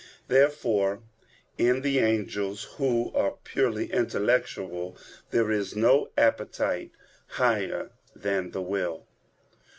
Therefore in the angels, who are purely intellectual, there is no appetite higher than the will.